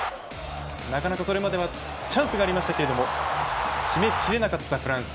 なかなかそれまではチャンスがありましたけど決めきれなかったフランス。